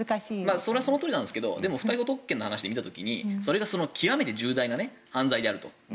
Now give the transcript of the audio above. それはそのとおりですがでも、不逮捕特権の話で見た時にそれが極めて重大な犯罪であると。